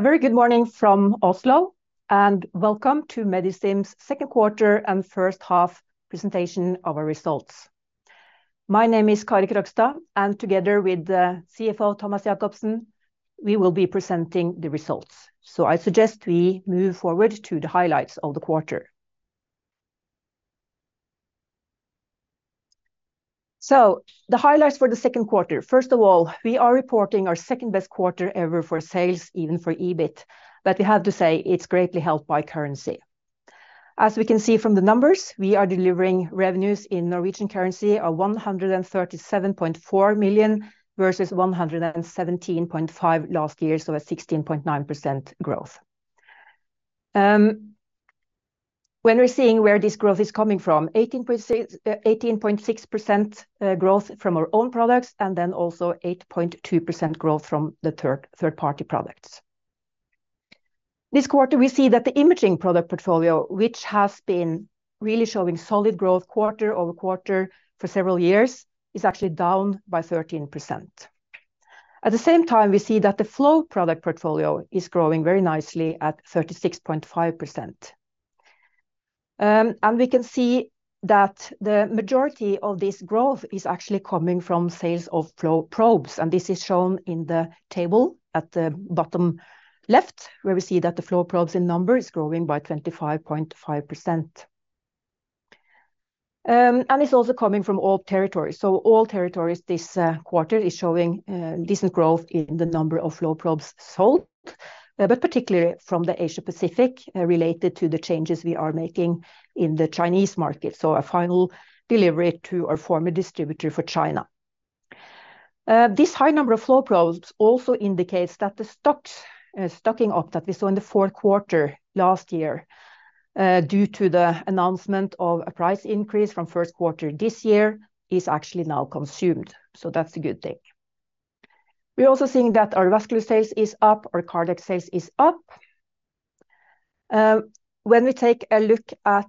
A very good morning from Oslo, and welcome to Medistim's second quarter and first half presentation of our results. My name is Kari Krogstad, and together with the CFO, Thomas Jakobsen, we will be presenting the results. So I suggest we move forward to the highlights of the quarter. So the highlights for the second quarter. First of all, we are reporting our second-best quarter ever for sales, even for EBIT, but we have to say it's greatly helped by currency. As we can see from the numbers, we are delivering revenues in Norwegian currency of 137.4 million, versus 117.5 million last year, so a 16.9% growth. When we're seeing where this growth is coming from, 18.6%, growth from our own products, and then also 8.2% growth from the third-party products. This quarter, we see that the imaging product portfolio, which has been really showing solid growth quarter-over-quarter for several years, is actually down by 13%. At the same time, we see that the flow product portfolio is growing very nicely at 36.5%. And we can see that the majority of this growth is actually coming from sales of flow probes, and this is shown in the table at the bottom left, where we see that the flow probes in number is growing by 25.5%. And it's also coming from all territories. So all territories this quarter is showing decent growth in the number of flow probes sold, but particularly from the Asia Pacific, related to the changes we are making in the Chinese market, so a final delivery to our former distributor for China. This high number of flow probes also indicates that the stocks, stocking up that we saw in the fourth quarter last year, due to the announcement of a price increase from first quarter this year, is actually now consumed. So that's a good thing. We're also seeing that our vascular sales is up, our cardiac sales is up. When we take a look at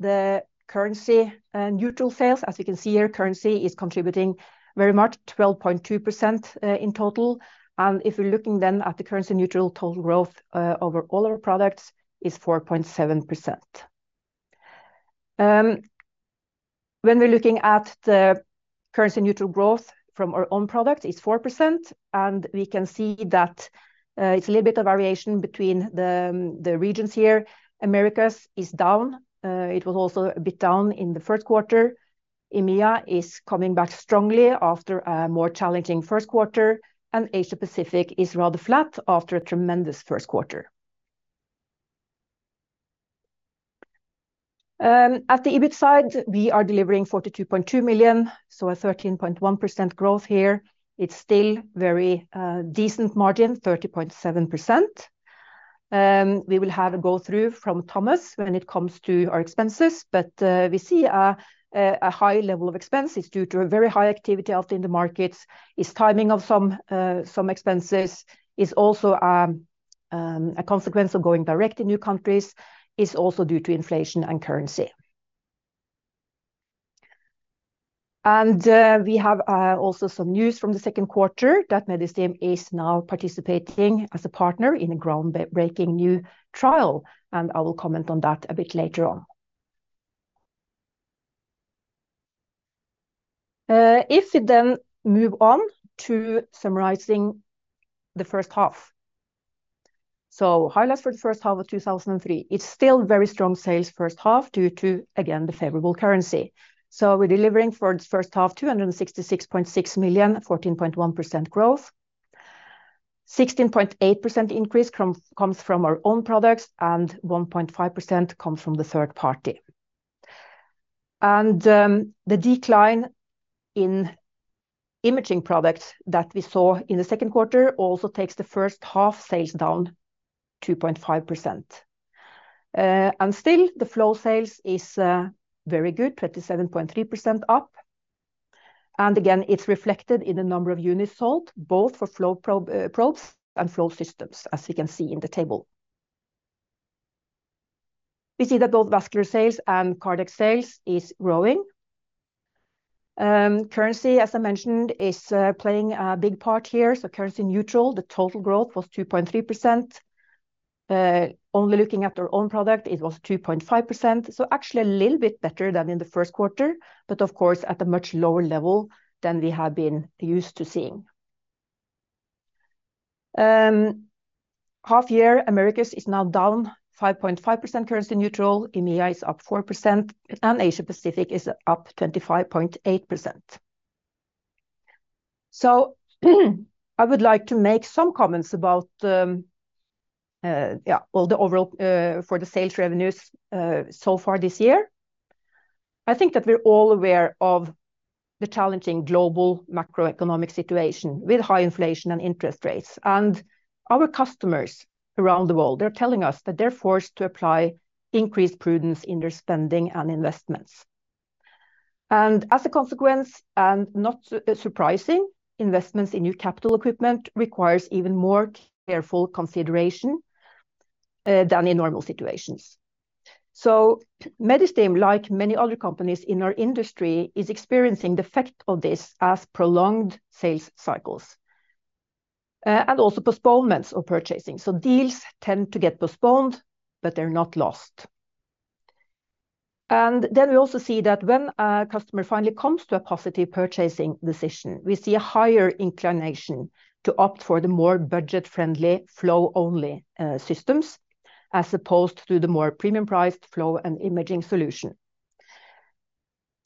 the currency and neutral sales, as we can see here, currency is contributing very much, 12.2% in total, and if we're looking then at the currency neutral, total growth over all our products is 4.7%. When we're looking at the currency neutral growth from our own product, it's 4%, and we can see that it's a little bit of variation between the regions here. Americas is down. It was also a bit down in the first quarter. EMEA is coming back strongly after a more challenging first quarter, and Asia Pacific is rather flat after a tremendous first quarter. At the EBIT side, we are delivering 42.2 million, so a 13.1% growth here. It's still very decent margin, 30.7%. We will have a go through from Thomas when it comes to our expenses, but we see a high level of expenses due to a very high activity out in the markets. It's timing of some expenses. It's also a consequence of going direct in new countries. It's also due to inflation and currency. And we have also some news from the second quarter, that Medistim is now participating as a partner in a groundbreaking new trial, and I will comment on that a bit later on. If we then move on to summarizing the first half. So highlights for the first half of 2003. It's still very strong sales first half due to, again, the favorable currency. So we're delivering for the first half, 266.6 million, 14.1% growth. 16.8% increase comes from our own products, and 1.5% comes from the third party. The decline in imaging products that we saw in the second quarter also takes the first half sales down 2.5%. Still, the flow sales is very good, 37.3% up, and again, it's reflected in the number of units sold, both for flow probes and flow systems, as you can see in the table. We see that both vascular sales and cardiac sales is growing. Currency, as I mentioned, is playing a big part here, so currency neutral, the total growth was 2.3%. Only looking at our own product, it was 2.5%, so actually a little bit better than in the first quarter, but of course, at a much lower level than we have been used to seeing. Half year, Americas is now down 5.5% currency neutral, EMEA is up 4%, and Asia Pacific is up 25.8%. So I would like to make some comments about the overall for the sales revenues so far this year. I think that we're all aware of the challenging global macroeconomic situation, with high inflation and interest rates, and our customers around the world are telling us that they're forced to apply increased prudence in their spending and investments. And as a consequence, and not surprising, investments in new capital equipment requires even more careful consideration. than in normal situations. So Medistim, like many other companies in our industry, is experiencing the effect of this as prolonged sales cycles, and also postponements of purchasing. So deals tend to get postponed, but they're not lost. And then we also see that when a customer finally comes to a positive purchasing decision, we see a higher inclination to opt for the more budget-friendly flow-only systems, as opposed to the more premium-priced flow and imaging solution.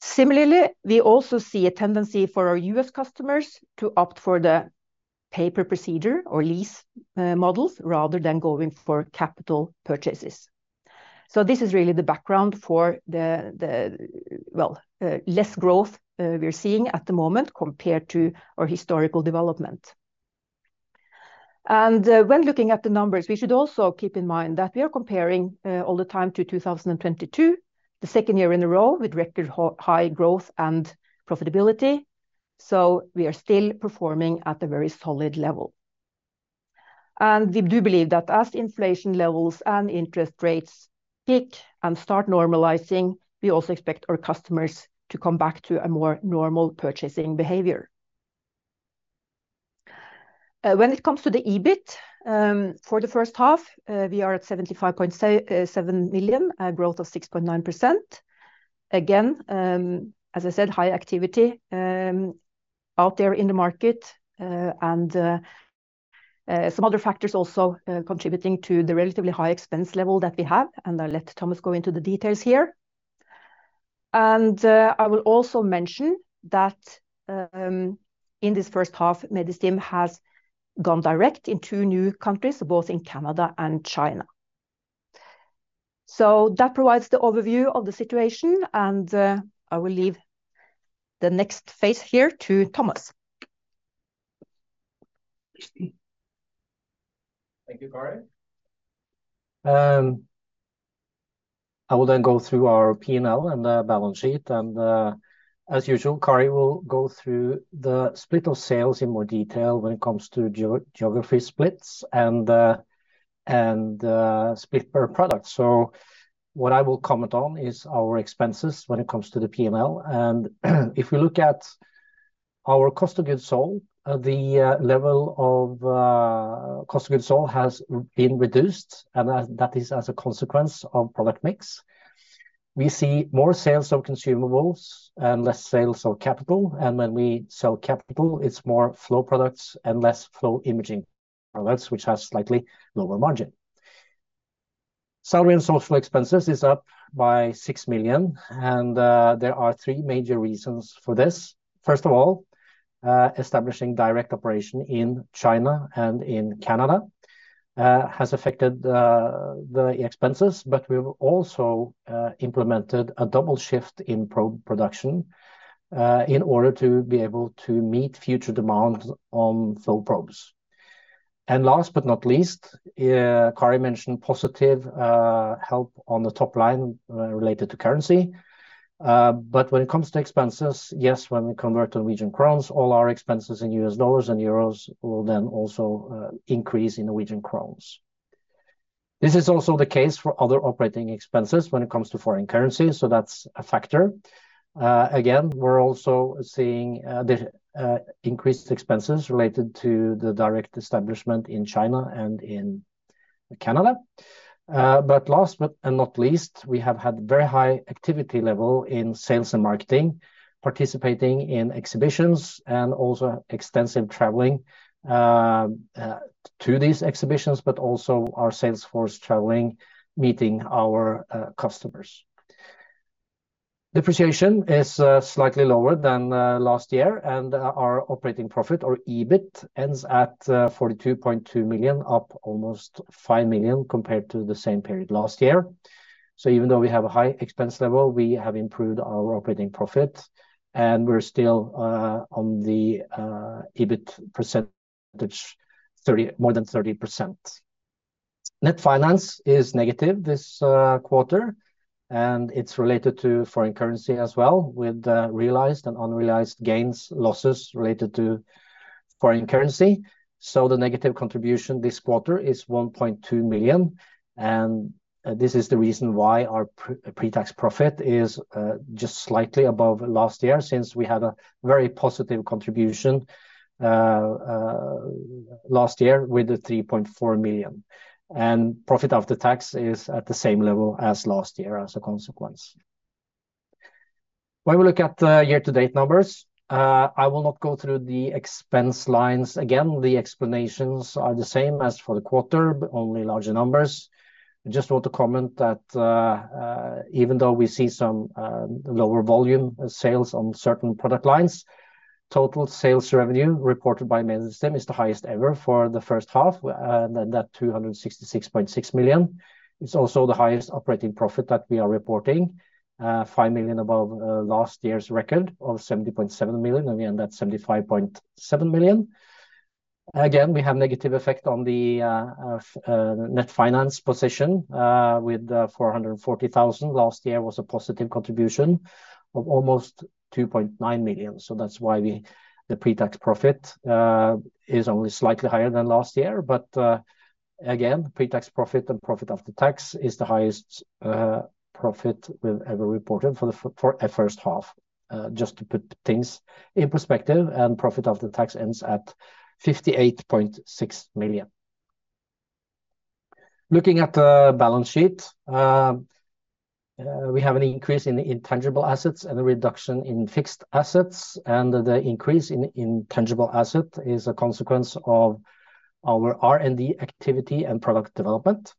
Similarly, we also see a tendency for our U.S. customers to opt for the pay-per-procedure or lease models, rather than going for capital purchases. So this is really the background for the, the, well, less growth we're seeing at the moment compared to our historical development. When looking at the numbers, we should also keep in mind that we are comparing all the time to 2022, the second year in a row with record high growth and profitability, so we are still performing at a very solid level. We do believe that as inflation levels and interest rates peak and start normalizing, we also expect our customers to come back to a more normal purchasing behavior. When it comes to the EBIT, for the first half, we are at 75.7 million, a growth of 6.9%. Again, as I said, high activity out there in the market, and some other factors also contributing to the relatively high expense level that we have, and I'll let Thomas go into the details here. I will also mention that, in this first half, Medistim has gone direct in two new countries, both in Canada and China. That provides the overview of the situation, and I will leave the next phase here to Thomas. Thank you, Kari. I will then go through our P&L and balance sheet, and as usual, Kari will go through the split of sales in more detail when it comes to geography splits and split per product. What I will comment on is our expenses when it comes to the P&L. If we look at our cost of goods sold, the level of cost of goods sold has been reduced, and that is as a consequence of product mix. We see more sales of consumables and less sales of capital, and when we sell capital, it's more flow products and less flow imaging products, which has slightly lower margin. Salary and social expenses is up by 6 million, and there are three major reasons for this. First of all, establishing direct operation in China and in Canada has affected the expenses, but we've also implemented a double shift in production in order to be able to meet future demand on flow probes. And last but not least, Kari mentioned positive help on the top line related to currency. But when it comes to expenses, yes, when we convert to Norwegian kroner, all our expenses in U.S. dollars and euros will then also increase in Norwegian kroner. This is also the case for other operating expenses when it comes to foreign currency, so that's a factor. Again, we're also seeing the increased expenses related to the direct establishment in China and in Canada. But last but and not least, we have had very high activity level in sales and marketing, participating in exhibitions, and also extensive traveling to these exhibitions, but also our sales force traveling, meeting our customers. Depreciation is slightly lower than last year, and our operating profit, or EBIT, ends at 42.2 million, up almost 5 million compared to the same period last year. So even though we have a high expense level, we have improved our operating profit, and we're still on the EBIT percentage, more than 30%. Net finance is negative this quarter, and it's related to foreign currency as well, with realized and unrealized gains, losses related to foreign currency. So the negative contribution this quarter is 1.2 million, and this is the reason why our pre-tax profit is just slightly above last year, since we had a very positive contribution last year with the 3.4 million. And profit after tax is at the same level as last year as a consequence. When we look at the year-to-date numbers, I will not go through the expense lines again. The explanations are the same as for the quarter, but only larger numbers. I just want to comment that even though we see some lower volume sales on certain product lines, total sales revenue reported by Medistim is the highest ever for the first half, and that 266.6 million. It's also the highest operating profit that we are reporting, 5 million above last year's record of 70.7 million, and we end at 75.7 million. Again, we have negative effect on the net finance position with 440,000. Last year was a positive contribution of almost 2.9 million. So that's why we, the pre-tax profit, is only slightly higher than last year. But again, pre-tax profit and profit after tax is the highest profit we've ever reported for the for a first half, just to put things in perspective, and profit after tax ends at 58.6 million. Looking at the balance sheet, we have an increase in the intangible assets and a reduction in fixed assets, and the increase in intangible asset is a consequence of our R&D activity and product development.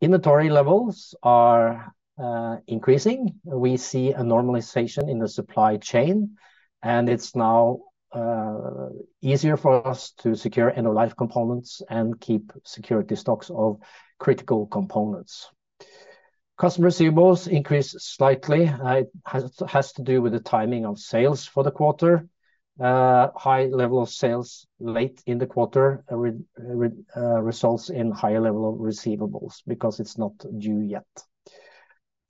Inventory levels are increasing. We see a normalization in the supply chain, and it's now easier for us to secure end-of-life components and keep security stocks of critical components. Customer receivables increased slightly. It has to do with the timing of sales for the quarter. High level of sales late in the quarter results in higher level of receivables because it's not due yet.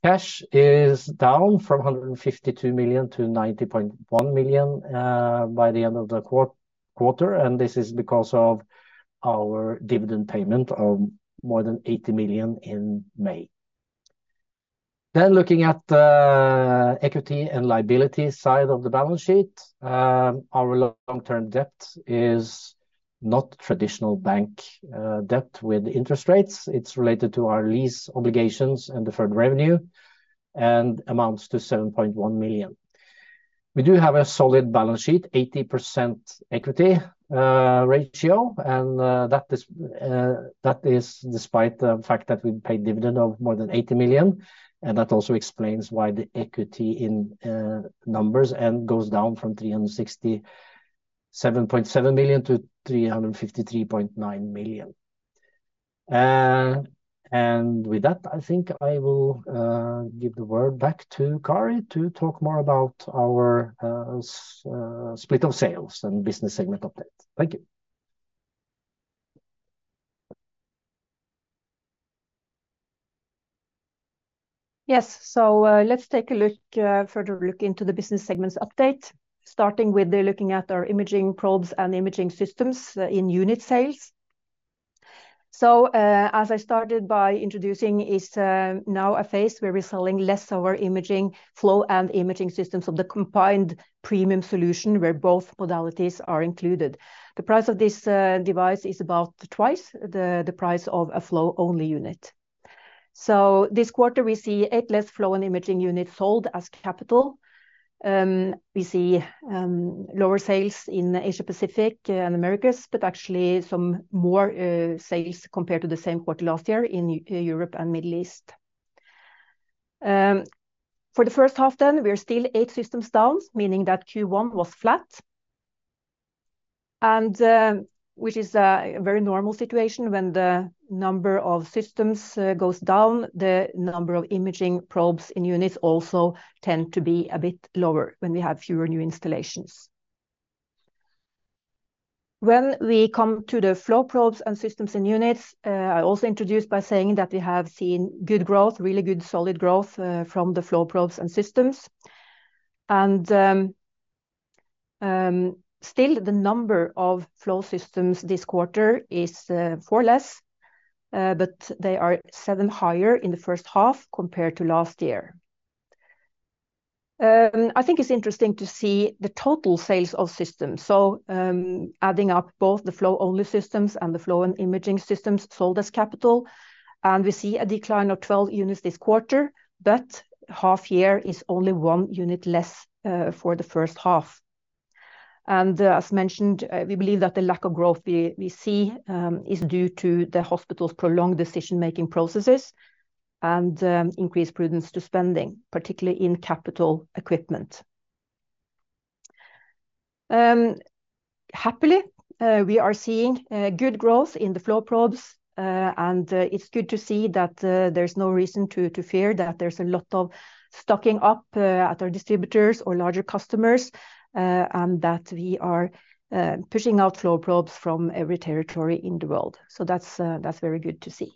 Cash is down from 152 million to 90.1 million by the end of the quarter, and this is because of our dividend payment of more than 80 million in May. Then looking at the equity and liability side of the balance sheet, our long-term debt is not traditional bank debt with interest rates. It's related to our lease obligations and deferred revenue, and amounts to 7.1 million. We do have a solid balance sheet, 80% equity ratio, and that is despite the fact that we paid dividend of more than 80 million, and that also explains why the equity in numbers goes down from 367.7 million to 353.9 million. And with that, I think I will give the word back to Kari to talk more about our split of sales and business segment updates. Thank you. Yes, so let's take a look further into the business segments update, starting with looking at our imaging probes and imaging systems in unit sales. So, as I started by introducing, is now a phase where we're selling less of our imaging flow and imaging systems of the combined premium solution, where both modalities are included. The price of this device is about twice the price of a flow-only unit. So this quarter, we see eight less flow and imaging units sold as capital. We see lower sales in Asia-Pacific and Americas, but actually some more sales compared to the same quarter last year in Europe and Middle East. For the first half then, we're still eight systems down, meaning that Q1 was flat, and which is a very normal situation. When the number of systems goes down, the number of imaging probes in units also tend to be a bit lower when we have fewer new installations. When we come to the flow probes and systems and units, I also introduced by saying that we have seen good growth, really good, solid growth, from the flow probes and systems. Still, the number of flow systems this quarter is 4 less, but they are 7 higher in the first half compared to last year. I think it's interesting to see the total sales of systems. Adding up both the flow-only systems and the flow and imaging systems sold as capital, and we see a decline of 12 units this quarter, but half year is only one unit less, for the first half. As mentioned, we believe that the lack of growth we see is due to the hospital's prolonged decision-making processes and increased prudence to spending, particularly in capital equipment. Happily, we are seeing good growth in the flow probes, and it's good to see that there's no reason to fear that there's a lot of stocking up at our distributors or larger customers, and that we are pushing out flow probes from every territory in the world. So that's very good to see.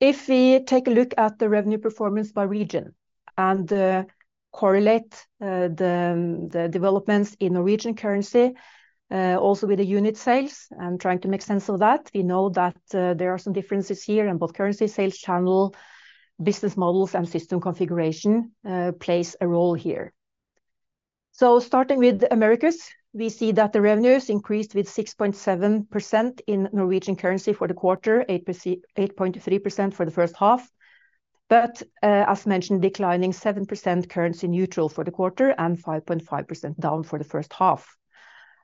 If we take a look at the revenue performance by region and correlate the developments in Norwegian currency also with the unit sales and trying to make sense of that, we know that there are some differences here in both currency, sales channel, business models, and system configuration plays a role here. So starting with Americas, we see that the revenues increased with 6.7% in Norwegian currency for the quarter, 8.3% for the first half, but as mentioned, declining 7% currency neutral for the quarter and 5.5% down for the first half.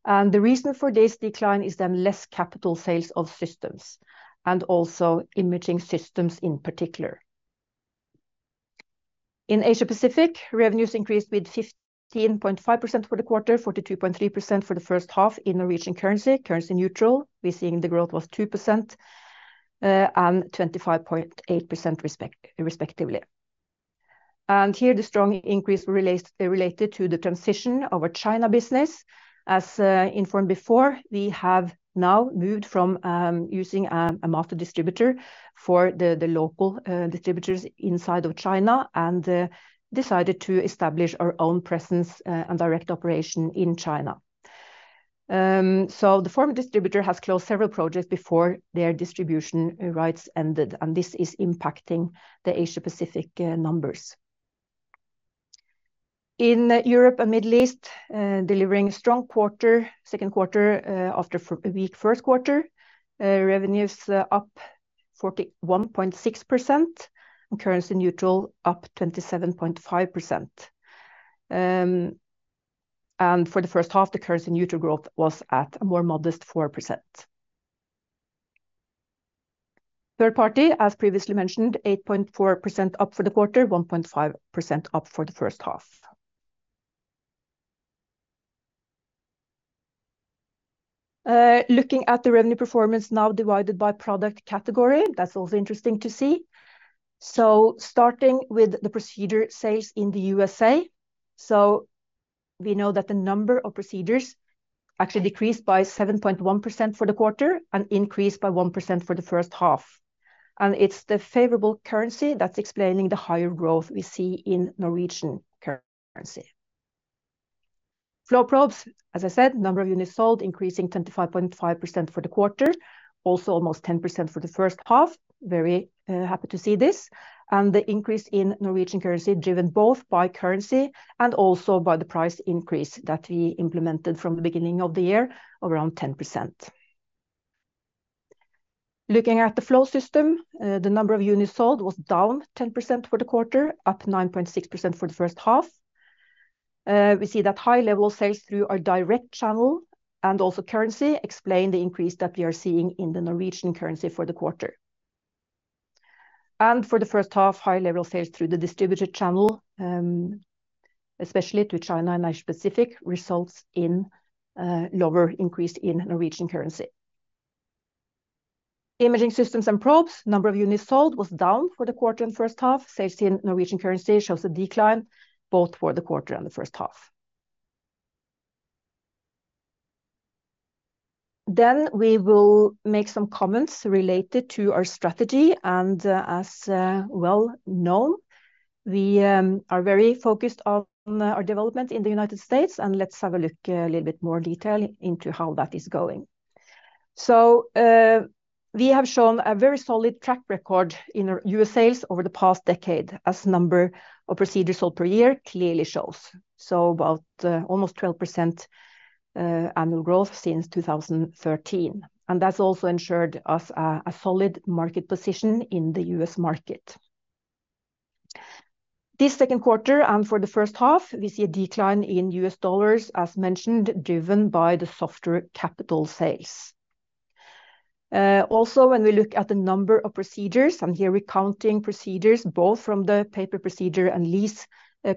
And the reason for this decline is the less capital sales of systems and also imaging systems in particular. In Asia Pacific, revenues increased with 15.5% for the quarter, 42.3% for the first half in Norwegian currency. Currency neutral, we're seeing the growth was 2%, and 25.8% respectively. And here, the strong increase related to the transition of our China business. As informed before, we have now moved from using a master distributor for the local distributors inside of China and decided to establish our own presence and direct operation in China. So the former distributor has closed several projects before their distribution rights ended, and this is impacting the Asia Pacific numbers. In Europe and Middle East, delivering a strong second quarter after a weak first quarter. Revenues up 41.6%, and currency neutral up 27.5%. For the first half, the currency neutral growth was at a more modest 4%. Third party, as previously mentioned, 8.4% up for the quarter, 1.5% up for the first half. Looking at the revenue performance now divided by product category, that's also interesting to see. So starting with the procedure sales in the USA, so we know that the number of procedures actually decreased by 7.1% for the quarter and increased by 1% for the first half. And it's the favorable currency that's explaining the higher growth we see in Norwegian currency. Flow probes, as I said, number of units sold increasing to 25.5% for the quarter, also almost 10% for the first half. Very happy to see this. The increase in Norwegian currency, driven both by currency and also by the price increase that we implemented from the beginning of the year, around 10%. Looking at the flow system, the number of units sold was down 10% for the quarter, up 9.6% for the first half. We see that high level sales through our direct channel and also currency explain the increase that we are seeing in the Norwegian currency for the quarter. And for the first half, high level sales through the distributor channel, especially to China and Asia Pacific, results in lower increase in Norwegian currency. Imaging systems and probes, number of units sold was down for the quarter and first half. Sales in Norwegian currency shows a decline both for the quarter and the first half. Then we will make some comments related to our strategy, and, as well known, we are very focused on our development in the United States, and let's have a look a little bit more detail into how that is going. So, we have shown a very solid track record in our U.S. sales over the past decade, as number of procedures sold per year clearly shows. So about almost 12% annual growth since 2013, and that's also ensured us a solid market position in the U.S. market. This second quarter, and for the first half, we see a decline in U.S. dollars, as mentioned, driven by the softer capital sales. Also, when we look at the number of procedures, and here we're counting procedures, both from the pay-per-procedure and lease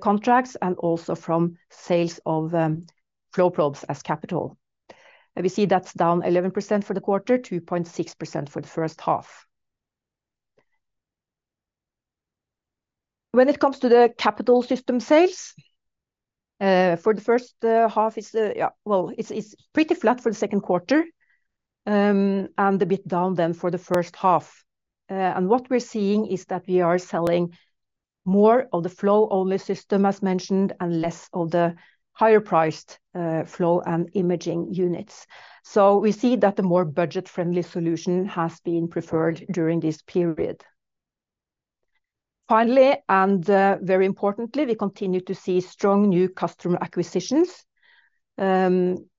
contracts, and also from sales of flow probes as capital. And we see that's down 11% for the quarter, 2.6% for the first half. When it comes to the capital system sales, for the first half, it's pretty flat for the second quarter, and a bit down than for the first half. And what we're seeing is that we are selling more of the flow-only system, as mentioned, and less of the higher-priced flow and imaging units. So we see that the more budget-friendly solution has been preferred during this period. Finally, and very importantly, we continue to see strong new customer acquisitions,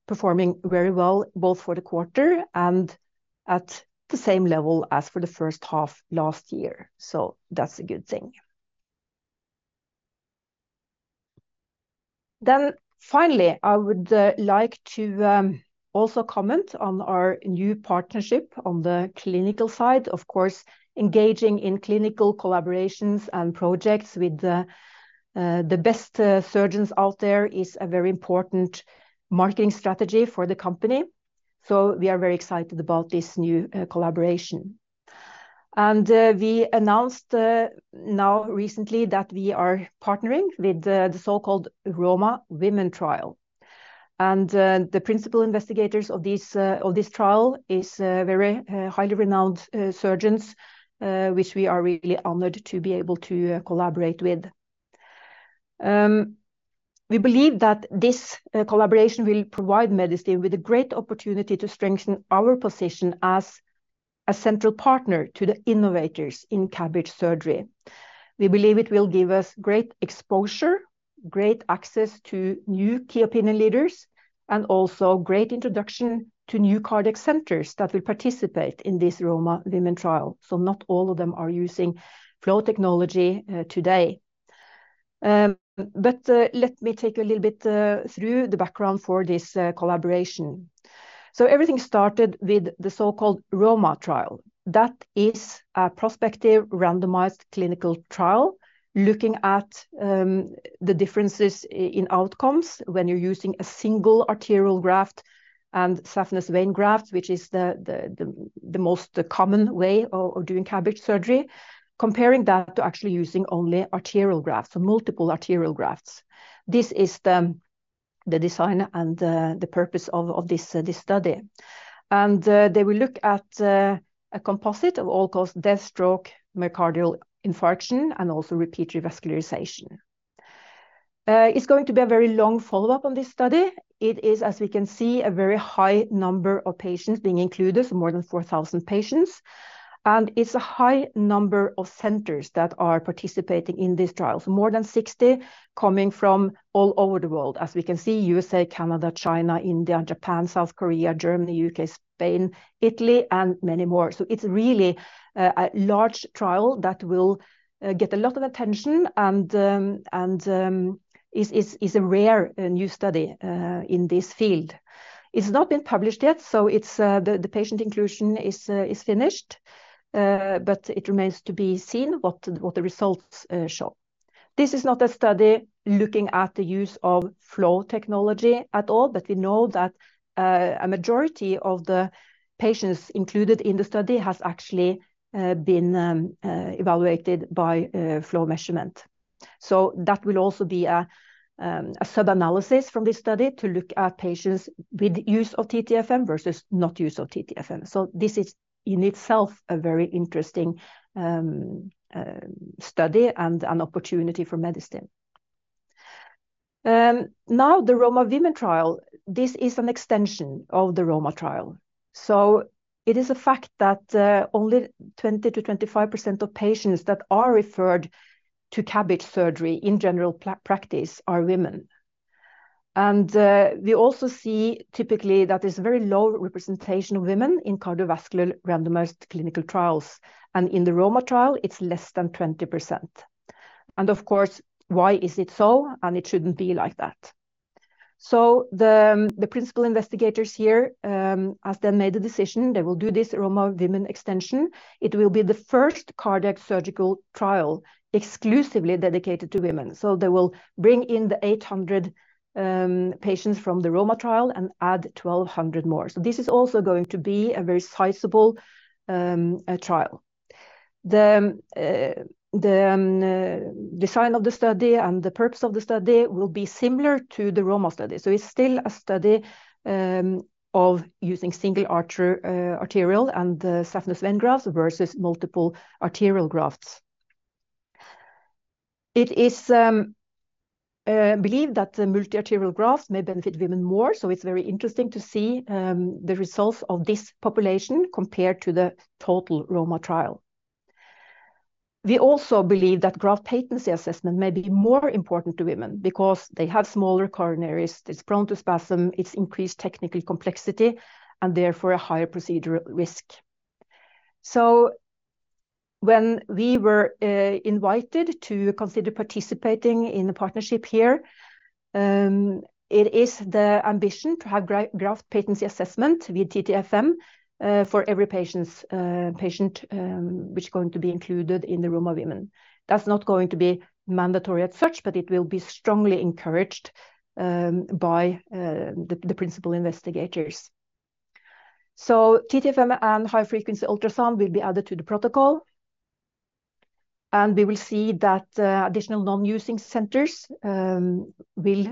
performing very well, both for the quarter and at the same level as for the first half last year. So that's a good thing. Then finally, I would like to also comment on our new partnership on the clinical side. Of course, engaging in clinical collaborations and projects with the best surgeons out there is a very important marketing strategy for the company. So we are very excited about this new collaboration. And we announced now recently that we are partnering with the so-called ROMA:Women Trial. And the principal investigators of this trial is very highly renowned surgeons, which we are really honored to be able to collaborate with. We believe that this collaboration will provide Medistim with a great opportunity to strengthen our position as a central partner to the innovators in CABG surgery. We believe it will give us great exposure, great access to new key opinion leaders, and also great introduction to new cardiac centers that will participate in this ROMA:Women Trial. So not all of them are using flow technology today. But let me take you a little bit through the background for this collaboration. So everything started with the so-called ROMA trial. That is a prospective randomized clinical trial, looking at the differences in outcomes when you're using a single arterial graft and saphenous vein graft, which is the most common way of doing CABG surgery, comparing that to actually using only arterial grafts, so multiple arterial grafts. This is the design and the purpose of this study. They will look at a composite of all-cause death, stroke, myocardial infarction, and also repeat revascularization. It's going to be a very long follow-up on this study. It is, as we can see, a very high number of patients being included, so more than 4,000 patients, and it's a high number of centers that are participating in this trial, so more than 60 coming from all over the world. As we can see, U.S., Canada, China, India, and Japan, South Korea, Germany, U.K., Spain, Italy, and many more. So it's really a large trial that will get a lot of attention and is a rare and new study in this field. It's not been published yet, so it's... The patient inclusion is finished, but it remains to be seen what the results show. This is not a study looking at the use of flow technology at all, but we know that a majority of the patients included in the study has actually been evaluated by flow measurement. So that will also be a subanalysis from this study to look at patients with use of TTFM versus not use of TTFM. So this is, in itself, a very interesting study and an opportunity for Medistim. Now, the ROMA:Women trial, this is an extension of the ROMA trial. So it is a fact that only 20%-25% of patients that are referred to CABG surgery in general practice are women. We also see typically that there's a very low representation of women in cardiovascular randomized clinical trials, and in the ROMA Trial, it's less than 20%. Of course, why is it so? It shouldn't be like that. So the principal investigators here, as they made the decision, they will do this ROMA:Women extension. It will be the first cardiac surgical trial exclusively dedicated to women. So they will bring in the 800 patients from the ROMA Trial and add 1,200 more. So this is also going to be a very sizable trial. The design of the study and the purpose of the study will be similar to the ROMA study. So it's still a study of using single arterial and the saphenous vein grafts versus multiple arterial grafts. It is believed that the multiple arterial grafts may benefit women more, so it's very interesting to see the results of this population compared to the total ROMA trial. We also believe that graft patency assessment may be more important to women because they have smaller coronaries. It's prone to spasm, it's increased technical complexity, and therefore a higher procedural risk. So when we were invited to consider participating in the partnership here, it is the ambition to have graft patency assessment via TTFM for every patient which is going to be included in the ROMA:Women. That's not going to be mandatory as such, but it will be strongly encouraged by the principal investigators. So TTFM and high-frequency ultrasound will be added to the protocol, and we will see that additional non-using centers will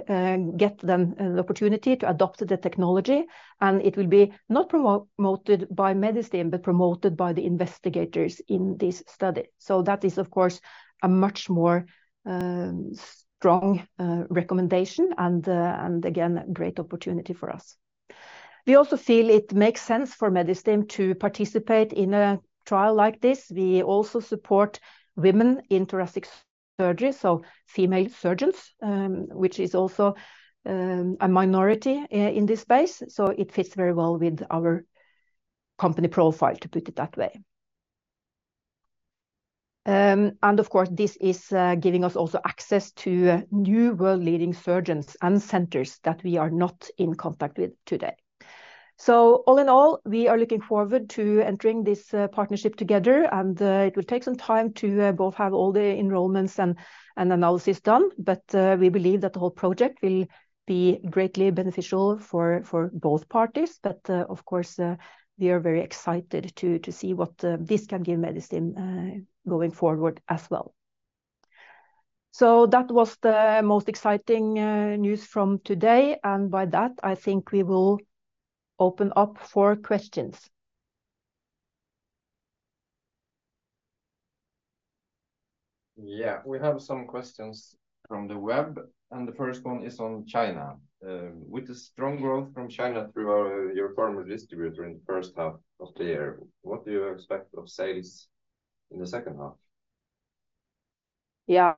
get them an opportunity to adopt the technology, and it will be not promoted by Medistim, but promoted by the investigators in this study. So that is, of course, a much more strong recommendation and again, a great opportunity for us. We also feel it makes sense for Medistim to participate in a trial like this. We also support women in thoracic surgery, so female surgeons, which is also a minority in this space, so it fits very well with our company profile, to put it that way. And of course, this is giving us also access to new world-leading surgeons and centers that we are not in contact with today. So all in all, we are looking forward to entering this partnership together, and it will take some time to both have all the enrollments and analysis done, but we believe that the whole project will be greatly beneficial for both parties. But of course, we are very excited to see what this can give Medistim going forward as well. So that was the most exciting news from today, and by that, I think we will open up for questions. Yeah, we have some questions from the web, and the first one is on China. With the strong growth from China through your former distributor in the first half of the year, what do you expect of sales in the second half? Yeah,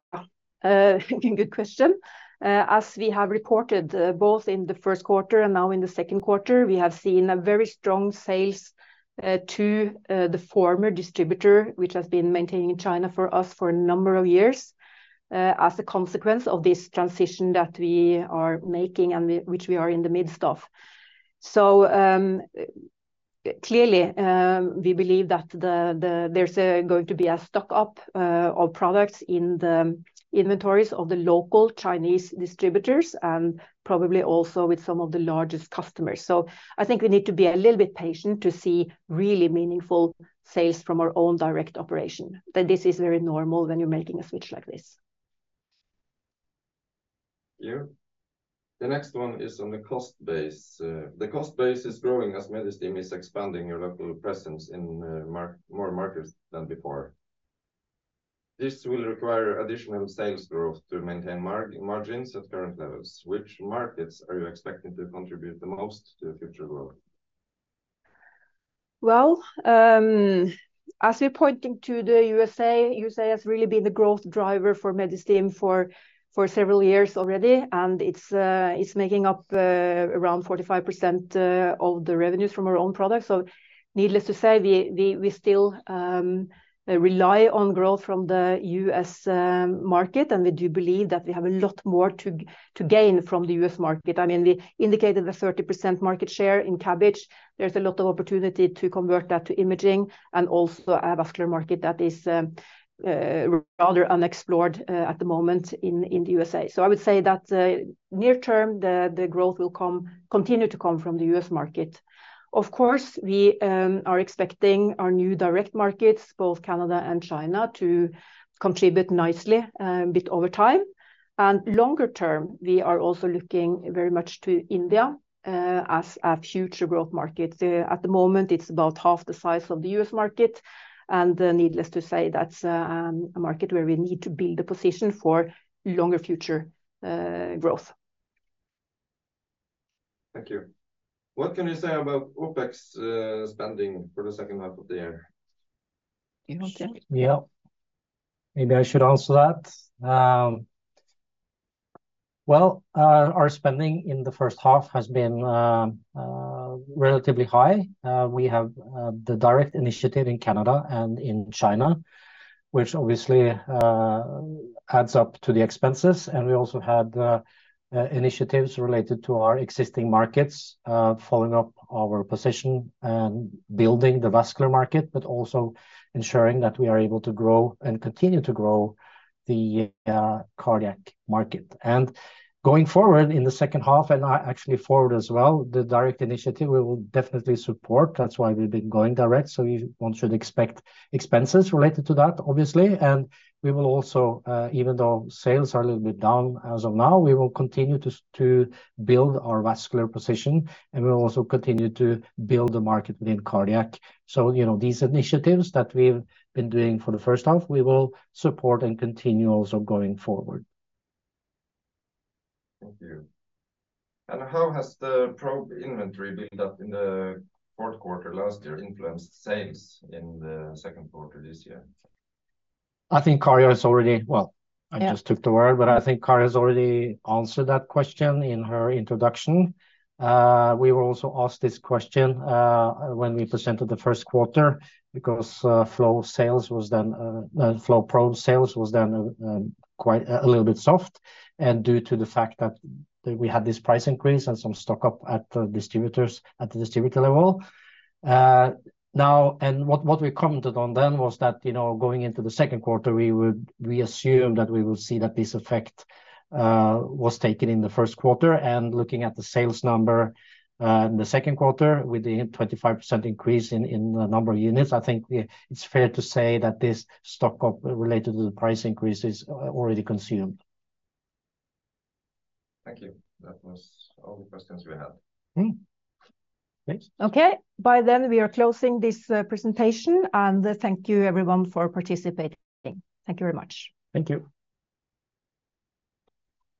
good question. As we have reported, both in the first quarter and now in the second quarter, we have seen a very strong sales to the former distributor, which has been maintaining China for us for a number of years, as a consequence of this transition that we are making and which we are in the midst of. So, clearly, we believe that there's going to be a stock-up of products in the inventories of the local Chinese distributors, and probably also with some of the largest customers. So I think we need to be a little bit patient to see really meaningful sales from our own direct operation. But this is very normal when you're making a switch like this. Thank you. The next one is on the cost base. The cost base is growing as Medistim is expanding your local presence in more markets than before. This will require additional sales growth to maintain margins at current levels. Which markets are you expecting to contribute the most to the future growth? Well, as we're pointing to the USA, USA has really been the growth driver for Medistim for several years already, and it's making up around 45% of the revenues from our own products. So needless to say, we still rely on growth from the U.S. market, and we do believe that we have a lot more to gain from the U.S. market. I mean, we indicated a 30% market share in CABG. There's a lot of opportunity to convert that to imaging and also a vascular market that is rather unexplored at the moment in the USA. So I would say that near term, the growth will continue to come from the U.S. market. Of course, we are expecting our new direct markets, both Canada and China, to contribute nicely, a bit over time. Longer term, we are also looking very much to India as a future growth market. At the moment, it's about half the size of the U.S. market, and needless to say, that's a market where we need to build a position for longer future growth. Thank you. What can you say about OpEx, spending for the second half of the year? Yeah. Maybe I should answer that. Well, our spending in the first half has been relatively high. We have the direct initiative in Canada and in China, which obviously adds up to the expenses, and we also had initiatives related to our existing markets, following up our position and building the vascular market, but also ensuring that we are able to grow and continue to grow the cardiac market. Going forward in the second half, and actually forward as well, the direct initiative we will definitely support. That's why we've been going direct, so one should expect expenses related to that, obviously. We will also, even though sales are a little bit down as of now, continue to build our vascular position, and we will also continue to build the market within cardiac. So, you know, these initiatives that we've been doing for the first half, we will support and continue also going forward. Thank you. And how has the probe inventory built up in the fourth quarter last year influenced sales in the second quarter this year? I think Kari has already... Well- Yeah... I just took the word, but I think Kari has already answered that question in her introduction. We were also asked this question when we presented the first quarter, because flow sales was then flow probe sales was then quite a little bit soft and due to the fact that we had this price increase and some stock-up at the distributors, at the distributor level. Now, and what we commented on then was that, you know, going into the second quarter, we would- we assume that we will see that this effect was taken in the first quarter. Looking at the sales number in the second quarter, with the 25% increase in the number of units, I think it's fair to say that this stock-up related to the price increase is already consumed. Thank you. That was all the questions we had. Mm-hmm. Thanks. Okay. By then, we are closing this presentation, and thank you everyone for participating. Thank you very much. Thank you.